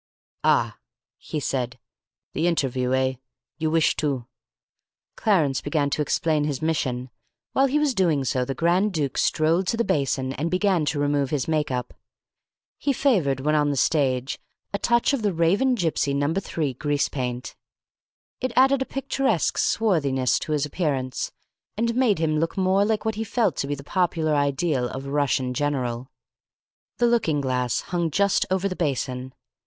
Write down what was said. "Ah," he said, "the interviewer, eh? You wish to " Clarence began to explain his mission. While he was doing so the Grand Duke strolled to the basin and began to remove his make up. He favoured, when on the stage, a touch of the Raven Gipsy No. 3 grease paint. It added a picturesque swarthiness to his appearance, and made him look more like what he felt to be the popular ideal of a Russian general. The looking glass hung just over the basin.